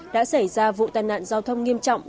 đã xảy ra vụ tai nạn giao thông nghiêm trọng